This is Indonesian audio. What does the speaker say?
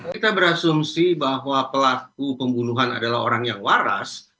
kita berasumsi bahwa pelaku pembunuhan adalah orang yang waras